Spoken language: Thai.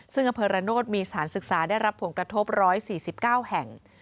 ซึ่งอำเภอระโนธมีสถานศึกษาได้รับผลกระทบ๑๔๙แห่ง